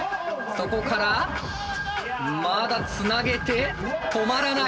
そこからまだつなげて止まらない。